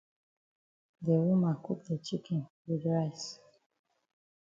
De woman cook de chicken wit rice.